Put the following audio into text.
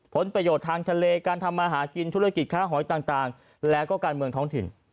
ผลประโยชน์ทางทะเลการทำมาหากินธุรกิจค้าหอยต่างแล้วก็การเมืองท้องถิ่น